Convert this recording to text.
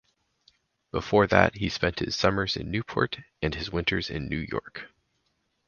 Before that he spent his Summers in Newport and his Winters in New York.